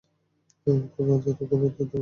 তো পাজারোকে সুন্দর করছি।